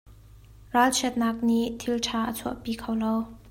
Ralchiatnak nih thil ṭha a chuah pi kho lo.